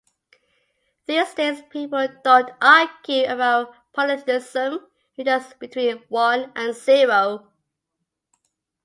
These days people don't argue about polytheism. It's just between one and zero.